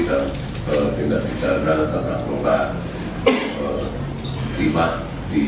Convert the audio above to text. dan keberangan keberangan yang sedang terjadi